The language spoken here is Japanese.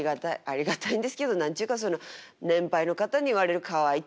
ありがたいんですけど何ちゅうかその年配の方に言われる「かわいい」